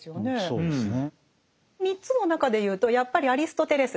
そうですね。